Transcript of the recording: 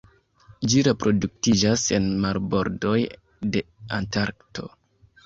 Ĝi reproduktiĝas en marbordoj de Antarkto.